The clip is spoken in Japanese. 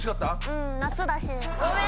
うん。夏だし。